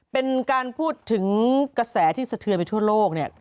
เป็นการพูดถึงกระแสที่สะเทือนไปทั่วโลกเนี่ย